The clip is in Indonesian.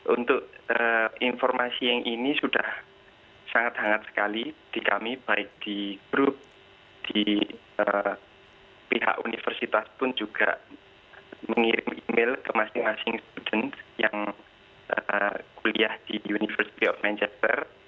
untuk informasi yang ini sudah sangat hangat sekali di kami baik di grup di pihak universitas pun juga mengirim email ke masing masing golden yang kuliah di university of manchester